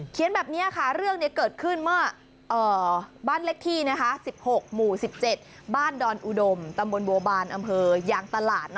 แบบนี้ค่ะเรื่องนี้เกิดขึ้นเมื่อบ้านเลขที่๑๖หมู่๑๗บ้านดอนอุดมตำบลบัวบานอำเภอยางตลาด